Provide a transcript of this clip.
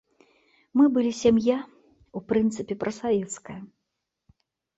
Мы былі сям'я, у прынцыпе, прасавецкая.